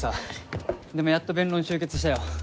でもやっと弁論終結したよ。